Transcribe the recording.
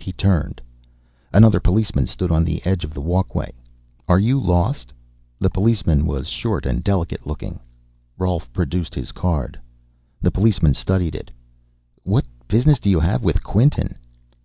He turned. Another policeman stood on the edge of the walkway. "Are you lost?" The policeman was short and delicate looking. Rolf produced his card. The policeman studied it. "What business do you have with Quinton?"